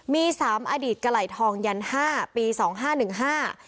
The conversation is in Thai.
มีสามอดีตกะไหล่ทองยันห้าปีสองห้าหนึ่งห้า